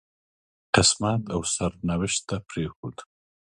قسمت او سرنوشت ته پرېښود.